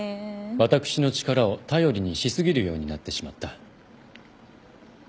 私の力を頼りにしすぎるようになってしまった。